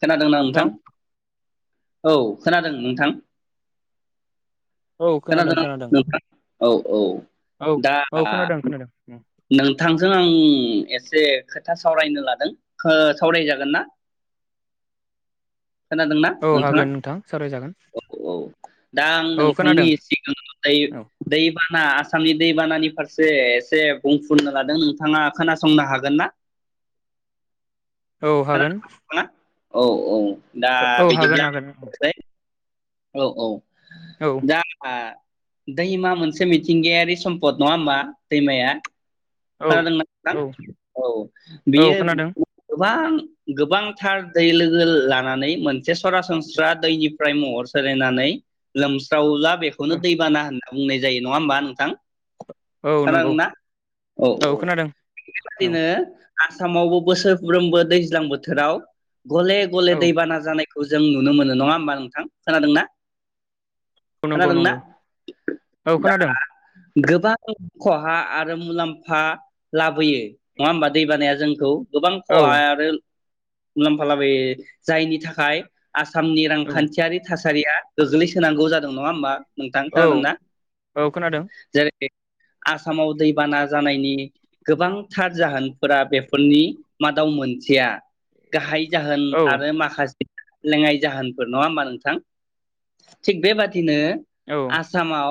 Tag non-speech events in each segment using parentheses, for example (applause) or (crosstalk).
खोनादोंना नोंथां औ खोनादों नोंथां औ खोनादों खोनादों औ औ औ दा औ खोनादों खोनादों नोंथांजों आं एसे खोथा सावरायनो लादों ओ सावरायजागोन ना खोनादोंना औ नोंथाङा हागोन नोंथां सावरायजागोन औ औ दा आं औ नोंथांनि खोनादों सिगां औ दै बार ना आसामनि दैबानानि फारसे एसे बुंफुनो लादों नोंथाङा खोनासंनो हागोन ना औ हागोन खोनासंनो औ औ दा औ हागोन बिदिब्ला आं हागोन बुंनोसै औ औ औ दा दैमा मोनसे मिथिंगायारि सम्पद नङा होमबा दैमाया औ खौनादोंना औ औ औ बियो खोनादों गोबां गोबांथार दै लोगो लानानै मोनसे सरासनस्रा दैनिफ्राय महर सोलायनानै लोमस्रावला बेखौनो दैबाना होना बुंनाय जायो नङा होमबा नोंथां औ नंगौ खोनादोंना? औ औ औ बेबादिनो आसामावबो बोसोरफ्रोमबो दैज्लां बोथोराव गले गले औ दैबाना जानाय खौ जों नुनो मोनो नङा होमबा नोंथां खोनादों ना नंगौ खोनादोंना नंगौ औ दा खोनादों गोबां खहा आरो मुलाम्फा फा लाबोयो नङा होमबा दैबानाया जोंखौ गोबां औ खहा आरो मुलाम्फालाबो जायनि थाखाय आसामनि औ रांखान्थियारि थासारि रिया गोग्लैसोनांगौ जादों नङा होमबा नोंथां औ खोनादोंना औ खोनादों जेरै आसामाव दैबाना जानायनि गोबांथार जाहोनफोरा बेफोरनि मादाव मोनसेया गाहाय जाहोन औ आरो माखासे लेङाइ जाहोनफोर नङा होमबा नोंथां थिग बेबादिनो औ आसामाव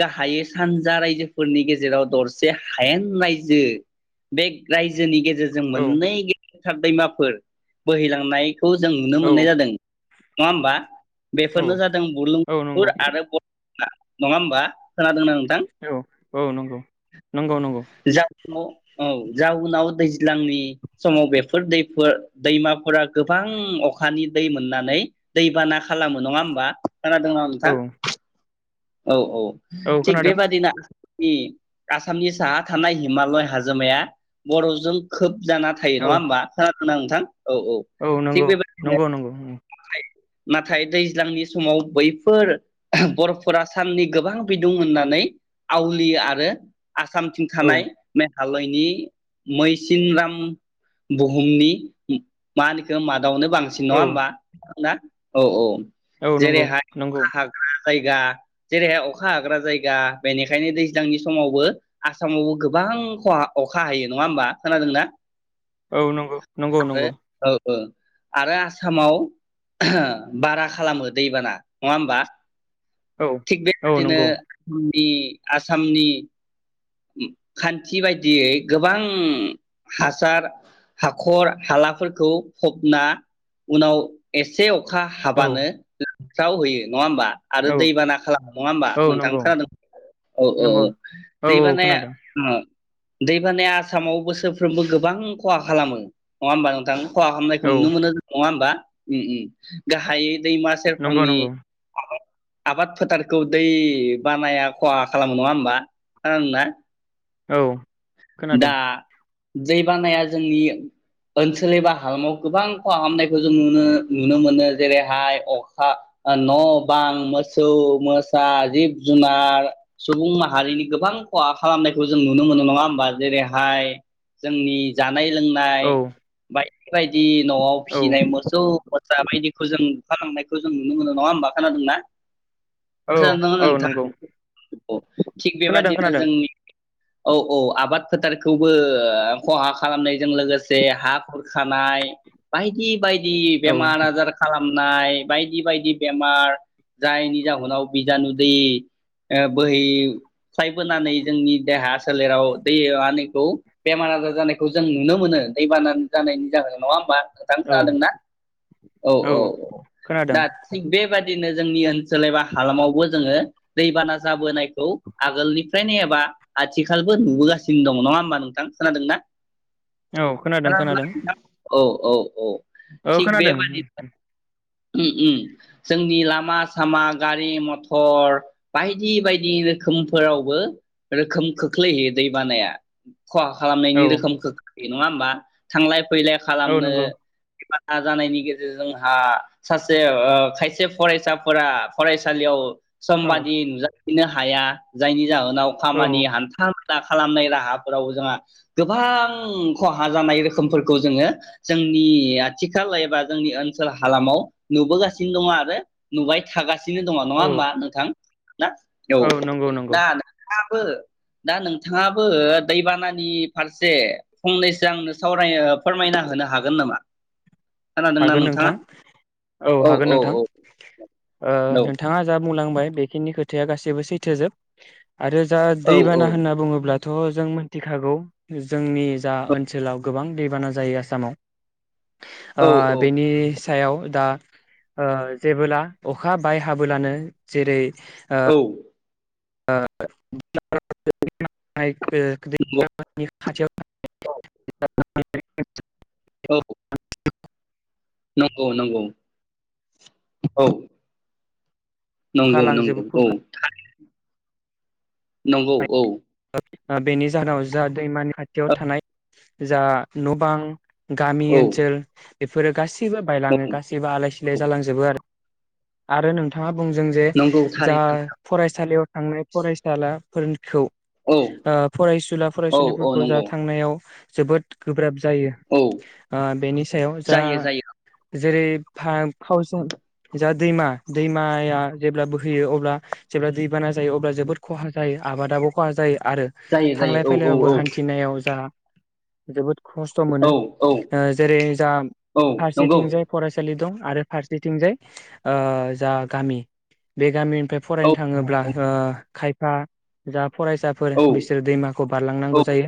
गाहायै सानजा रायजोफोरनि गेजेराव दरसे हायेन रायजो बे रायजोनि गेजेराव जों औ मोननै ग दैमाफोर बोहैलांनाय खौ जों नुनो मोननाय जादों नङा होमबा बेफोरनो औ जादों औ बुलुंबुथुर नंगौ आरो नङा होमबा खोनादों ना औ औ नंगौ नंगौ नंगौ जावनाव औ जावनाव दैज्लांनि समाव बेफोर दैफोर दैमाफोरा गोबां अखानि दै मोननानै दैबाना खालामो नङा होमबा खोनादों ना औ नोंथां औ औ औ थिक खोनादों बेबादिनो (unintelligible) आसामनि साहा थानाय हिमालय हाजोमाया बर'जों खोब जाना थायो औ नङा होमबा खोना नोंथां औ औ थिग नंगौ बेबायदिनो नंगौ नंगौ नाथाय दैज्लांनि समाव बैफोर बरफफोरा साननि गोबां बिदुं होननानै आवलियो आरो आसामथिं औ थानाय मे घालयनि मैसिनराम बुहुमनि मा होनो बेखौ दावनो बांसिन औ नङा होमबा ना औ औ औ नंगौ जेरैहाय नंगौ हाग्रा जायगा जेरैहाय अखा हाग्रा जायगा बेनिखायनो दैज्लांनि समावबो आसामावबो गोबां खहा अखा हायो नङा होमबा खोनादोंना औ नंगौ नंगौ आरो नंगौ औ आरो आसामाव बारा खालामो दैबाना नङा होमबा औ थिग औ बेबायदिनो नंगौ बि आसामनि खान्थि बायदियै गोबां हासार हाखर हालाफोरखौ फबना उनाव एसे अखा औ हाबानो साव होयो नङा होमबा आरो औ दैबाना खालामो नङा होमबा औ नोंथां नंगौ खोनादों औ औ औ नंगौ औ दैबानाया खोनादों (unintelligible) दैबानाया आसामाव बोसोरफ्रोमबो गोबां खहा खालामो नङा होमबा नोंथां खहा खालामनायखौ औ नुनो मोनो नङा होमबा उम उम गाहायै दैमा नंगौ सेरफांनि नंगौ आबाद फोथारखौ दै बानाया खहा खालामो नङा होमबा खोनादों ना औ खोनादों दैबानाया जोंनि ओनसोल एबा हालामाव गोबां खहा खालामनायखौ जों नुनो नुनो मोनो जेरैहाय अखा न' बां मोसौ मोसा जिब जुनार सुबुं माहारिनि गोबां खहा खालामनायखौ जों नुनो मोनो नङा हमबा जेरैहाय जोंनि जानाय औ लोंनाय बाय बेबायदि न'आव औ फिसिनाय मोसौ मोसा बायदिखौ जों हालौनायखौ जों नुनो मोनो नङा होमबा खानादोंना औ खोनादों ना औ नंगौ नोंथां थिग खोनादों बेबादिनो खोनादों जोंनि औ औ आबाद फोथारखौबो खहा खालामनायजों लोगोसे हा खुरखानाय बायदि बायदि औ बेमार आजार खालामनाय बायदि बायदि बेमार जायनि जाहोनाव बिजानु दै ओ बोहैस्लायबोनानै जोंनि देहा सोलेराव दै आनिखौ बेमार आजार जानायखौ जों नुनो मोनो दैबाना जानायनि जाहोनाव नङा होमबा नोंथां औ खोनादोंना औ औ औ दा खोनादों थिख बेबादि नो जोंनि ओनसोल एबा हालामावबो जोङो दैबाना जाबोनायखौ आगोलनिफ्रायनो एबा आथिखालबो नुबोगासिनो दङ नङा होमबा नोंथां खोनादों ना औ खोनादों खोनादोंना खोनादों नोंथां औ औ औ औ थिग खोनादों बेबादिनो उम उम जोंनि लामा सामा गारि मथर बायदि बायदि रोखोमफोरावबो रोखोम खोख्लैहैदों बानाया खहा औ खालामनायनि रोखोमखौ नङा होमबा थांलाय फैलाय औ खालामनो नंगौ जानायनि गेजेरजोंहा सासे खायसे फरायसाफोरा फरायसालियाव औ समबादि नुजा नो हाया जायनि जाहोन नाव औ खामानि हान्था खालामनाय राहाफोराव जोंहा गोबां खहा जानाय रोखोमफोरखौ जोङो जोंनि आथिखाल एबा जोंनि ओनसोल हालामाव नुबोगासिनो दङ आरो नुबाय थागासिनो गासिनो दङ औ नङा होमबा नोंथां ना औ नंगौ नंगौ दा आबो दा नोंथाङाबो दैबानानि फारसे फंनैसो आंनो सावराय फोरमायना होनो हागोन नामा खोनादोंना हागोन नोंथाङा? नोंथां औ हागोन नोंथां ओ नौ नोंथाङा जा बुंलांबाय बेखिनि खोथाया गासैबो सैथो जोब आरो जा औ औ दैबाना होनना बुङोब्ला थ' जों मोनथिखागौ जोंनि जा ओनसोलाव गोबां दैबाना जायो आसामाव आ औ औ बेनि सायाव दा ओ जेबोला अखा बाय हाबोलानो जेरै औ (inaudible) (inaudible) (inaudible) औ नंगौ नंगौ औ खुरखा नोंगौ नोंगौ लांजोबो औ खुरखा नंगौ औ ओ बेनि जाहोनाव जा दैमानि खाथियाव थानाय जा न' बां गामि औ ओनसोल बेफोरो गासि सिबो औ बायलाङो गासिबो आलाय सिलाय जालांजोबो आरो आरो नोंथाङा बुंजों जे नंगौ जा थारैनो फरायसालियाव थांनाय फरायसाला फोरनिखौ ओ औ फरायसुला औ औ फरायसुलिफोरखौ जा नंगौ थांनायाव जोबोद गोब्राब जायो औ ओ बेनि सायाव जा जायो जायो जेरै फा फावसा जा दैमा दैमाया जेब्ला बोहैयो अब्ला जेब्ला दैबाना जायो अब्ला जोबोद खहा जायो आबादाबो खहा जायो आरो जायो जायो थांलाय औ औ फैलायावबो औ हान्थिनायाव जा जोबोद खस्थ' मोनो औ औ ओ जेरै जा औ नंगौ फारसेथिंजाय फरायसालि दं आरो फारसेथिंजाय ओ जा गामि बे गामि बे औ फरायनो थाङोब्ला ओ खाय आ जा फरायसाफोर औ बिसोरो दैमाखौ बारलांनांगौ जायो।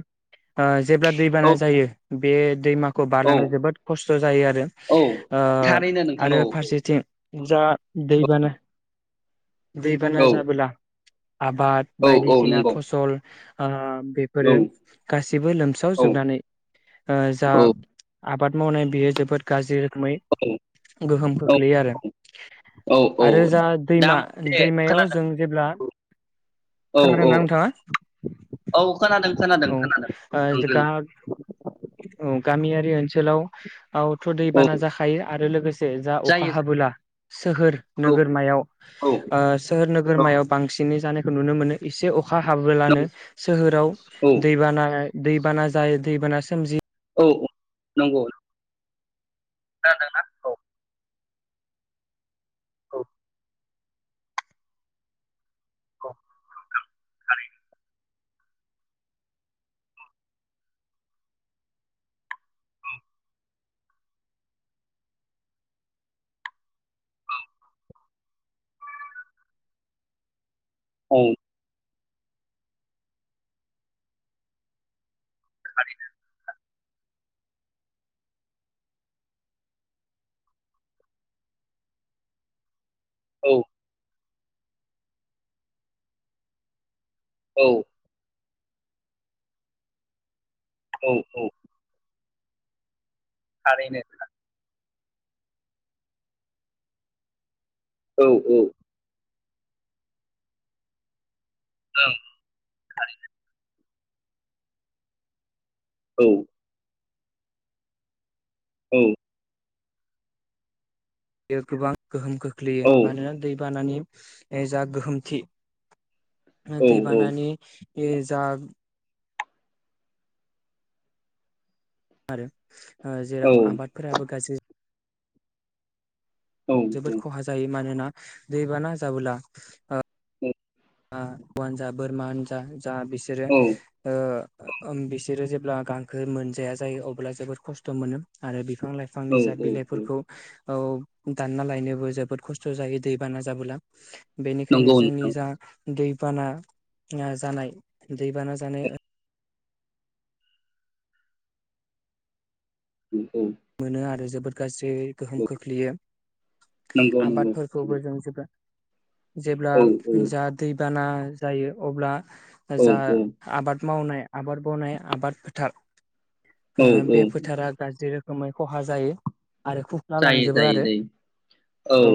आ जेब्ला औ दैबाना जायो बे दैमा खौ औ बारलांनो जोबोद खस्थ' जायो आरो औ ओ थारैनो नोंथां औ आरो फारसेथिं (unintelligible) जा दैबाना दैबाना औ जाबोला आबाद औ औ बायदिसिना नंगौ फसल आ बेफोरो औ गासिबो लोमसाव औ जोबनानै ओ जा औ आबाद मावनाय बियो जोबोद गाज्रि रो खोमै औ गोहोम औ खोख्लैयो आरो औ औ आरो जा दा दैमा मोनसे दैमायाव खोनादों जों जेब्ला हा औ औ खोनादोंना नोंथाङा औ खोनादों खोनादों औ खोनादों जा नोंदों गा औ गामिया बे ओनसोलाव आवथ' औ दैबाना जाखायो आरो लोगोसे जा अखा जायो हाबोला सोहोर औ नोगोरमायाव औ ओ सोहोर औ नोगोरमायाव बांसिनै जानाय खो नुनो मोनो एसे अ खा हाबोलानो नों सोहोराव औ दैबाना दैबाना जायो दैबाना सोमजि औ औ नंगौ खोनादों ना औ औ औ औ (inaudible) औ औ औ औ थारैनो औ औ ओं थारैनो। औ औ बे गोबां गोहोम खोख्लैयो औ मानोना दै बानानि ए जा गोहोम थि औ दैबानानि ए जा आरो औ जेराव आबादफोराबो गाज्रि औ जोबोद खहा जायो मानोना दैबा ना जाबोला ओ (unintelligible) बोरमा हानजा जा बिसोरो औ बिसोरो जेब्ला गांखो मोनजाया जायो अब्ला जोबोद खस्थ' मोनो आरो बिफां औ लाइफांनि जा औ बिलाइफोरखौ औ दानना लायनोबो जोबोद खस्थ' जायो दैबाना जाबोला बेनिखायनो नंगौ जोंनि नोंथां जा दैबाना जानाय दैबाना जानाय ओ औ औ मोनो आरो जोब फोर गासिब ओ गोहोम खोख्लैयो नंगौ नंगौ औ आबादफोरखौबो जों जोबोद जेब्ला औ जा दैबाना जायो अब्ला औ जा आबाद मावनाय आबाद मावनाय आबाद फोथार ओ औ औ बे फोथारा गाज्रि रोखोम गोमै खहा जायो आरो खुफ्ला जायो लांजोबो जायो आरो जायो औ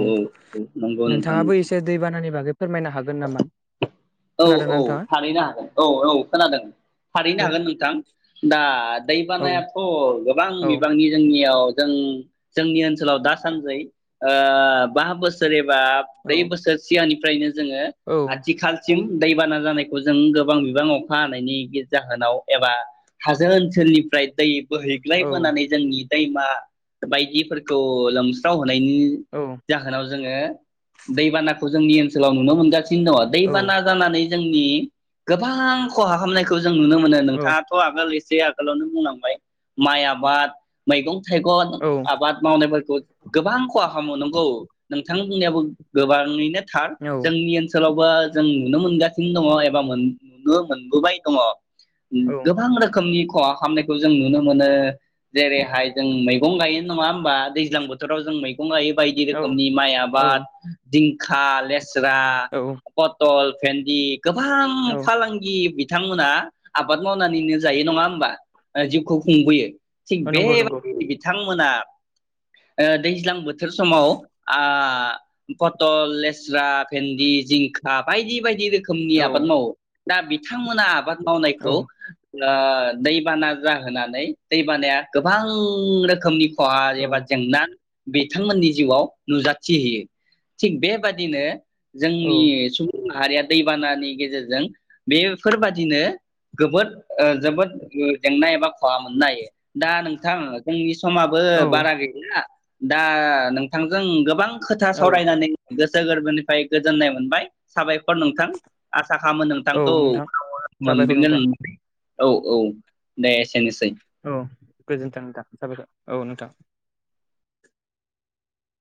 नोंथाङाबो एसे दैबानानि बागै फोरमायनो हागोन नामा औ खोनादों औ नोंथाङा? थारैनो हागोन औ औ खोनादों थारैनो औ हागोन नोंथां दा दै औ बानायाथ' गोबां गोबां औ बिबांनि जों याव जों जोंनि ओनसोलाव दा सानजै बा बोसोरे बा औ ब्रै बोसोर सिगांनि फ्रायनो जोङो औ आथिखाल दैबाना जानायखौ जों गोबां बिबां अखा हानायनि जाहोनाव एबा हाजो ओनसोलनिफ्राय दै औ बोहैग्लायबोनानै जोंनि दैमा बायदिफोरखौ लोमस्राव हो नायनि औ जाहोनाव जोङो दैबाना खौ जोंनि ओनसोलाव नुनो मोनगासिनो दङ औ बाना जाना नै जोंनि गोबां खहा खालामनायखौ जों नुनो मोनो औ नोंथाङाथ' आगोल ए से आगोलावनो बुंलांबाय माइ आबाद मैगं थाइगं आबाद मावनायफोरखौ गोबां खहा खालामो नंगौ नोंथां (unintelligible) गोबाङैनो नोंथां जोंनि ओनसोलावबो नुनो मोनगासिनो दङ एबा नुनो मोनबोबाय दङ गोबां रोखोमनि खहा खालामनायखौ जों नुनो मोनो जेरैहाय जों मैगं गायो नङा होमबा दैज्लां बोथोराव जों मै गं गायो बायदि औ रोखोमनि माइ औ आबाद जिं खा ले स्रा औ पटल भेन्दि गोबां फालांगि बिथांमोना आबाद मावनानैनो जायो नङा होमबा जिउखौ खुंबोयो थिग औ बे नंगौ नंगौ बायदिनो बिथां मोना ओ दैज्लां बोथोर समाव ओ फथल लेस्रा भेन्दि जिं खा बायदि बायदि रो खोमनि औ आबाद मावो दा बिथांमोना आबाद औ मावनायखौ ओ दैबाना जाहोनानै दैबानाया गोबां रोखोमनि खहा औ एबा जेंना बिथांमोननि जिउआव नुजाथिहैयो थिग बेबादिनो औ जोंनि सुबुं माहारिया दैबानानि गेजेरजों बेफोरबादिनो गोबोद ओ जोबोद जेंना एबा खहा मोननो हायो दा नोंथां जोंनि समाबो बारा गैला दा नोंथांजों गोबां खोथा औ सावरायनानै गो गोसो गोरबोनिफ्राय गोजोननाय मोनबाय साबायखर नोंथां आ थाखामोन औ नोंथांखौ नोंथां उनाव साबायखर मोनफिनगोन नोंथां होननानै औ औ दे एसेनोसै औ गोजोनथों नोंथां जाबाय औ नोंथां